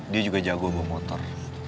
dia juga jago sama motor